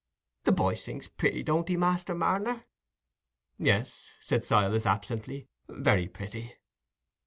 The boy sings pretty, don't he, Master Marner?" "Yes," said Silas, absently, "very pretty."